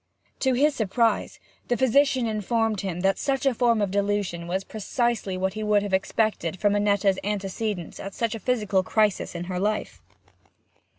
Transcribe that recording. To his surprise, the physician informed him that such a form of delusion was precisely what he would have expected from Annetta's antecedents at such a physical crisis in her life.